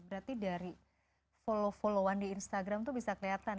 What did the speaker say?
berarti dari follow followan di instagram tuh bisa keliatan ya